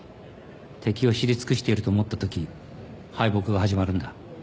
敵を知り尽くしていると思ったとき敗北が始まるんだ。